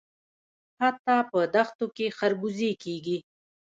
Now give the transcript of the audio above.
حتی په دښتو کې خربوزې کیږي.